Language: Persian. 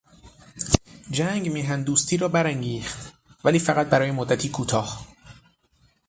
جنگ میهن دوستی را برانگیخت ولی فقط برای مدتی کوتاه.